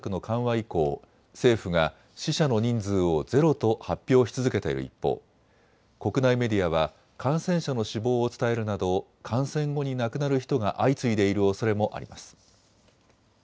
以降、政府が死者の人数をゼロと発表し続けている一方、国内メディアは感染者の死亡を伝えるなど感染後に亡くなる人が相次いでいるおそれもあります。